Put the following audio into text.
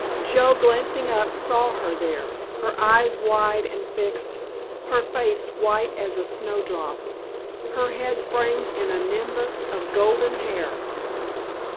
Joe glancing up saw here there, her eyes wide and fixed, her face white as a snowdrop, her head framed in a nimbus of golden hair.